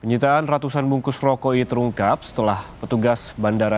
penyitaan ratusan bungkus roko ini terungkap setelah petugas bandara